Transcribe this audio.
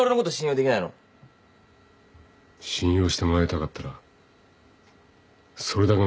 信用してもらいたかったらそれだけのことやってみせろ。